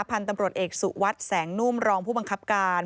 พันธุ์ตำรวจเอกสุวัสดิ์แสงนุ่มรองผู้บังคับการ